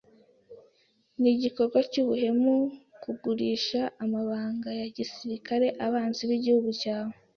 Nigikorwa cyubuhemu kugurisha amabanga ya gisirikare abanzi bigihugu cyawe.